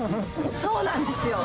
そうなんですよ。